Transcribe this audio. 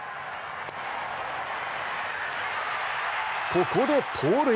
ここで盗塁。